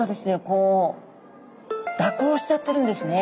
こう蛇行しちゃってるんですね。